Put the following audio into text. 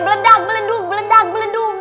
beledak beleduk beledak beleduk gitu